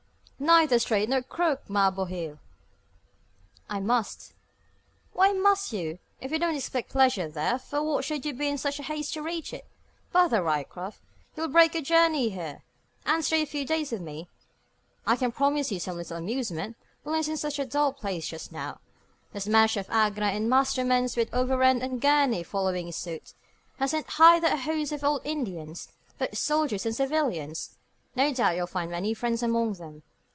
"Neither straight nor crooked, ma bohil!" "I must." "Why must you? If you don't expect pleasure there, for what should you be in such haste to reach it? Bother, Ryecroft! you'll break your journey here, and stay a few days with me? I can promise you some little amusement. Boulogne isn't such a dull place just now. The smash of Agra and Masterman's, with Overend and Gurney following suite, has sent hither a host of old Indians, both soldiers and civilians. No doubt you'll find many friends among them.